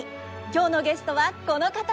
今日のゲストはこの方です。